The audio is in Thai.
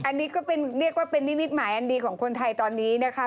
อันนี้ก็เป็นเรียกว่าเป็นนิมิตหมายอันดีของคนไทยตอนนี้นะคะ